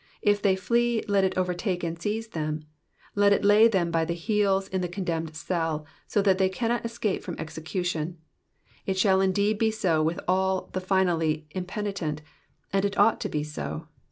If they flee, let it overtake and seize them ; let it lay them by the heels in the condemned cell, so that they cannot escape from execu tion. It shall indeed be so with all the finally impenitent, and it ought to be so.